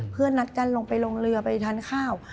นัดกันลงไปลงเรือไปทานข้าว